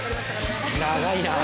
長いな。